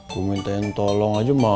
ku minta yang tolong aja marah